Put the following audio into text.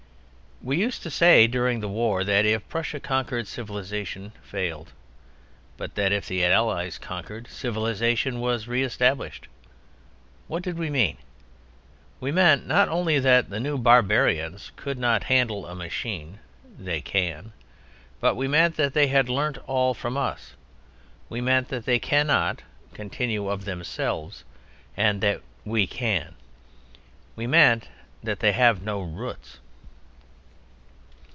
We used to say during the war that if Prussia conquered civilization failed, but that if the Allies conquered civilization was reestablished—What did we mean? We meant, not that the New Barbarians could not handle a machine: They can. But we meant that they had learnt all from us. We meant that they cannot continue of themselves; and that we can. We meant that they have no roots.